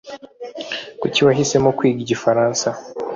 Kuki wahisemo kwiga igifaransa?